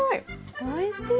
おいしい。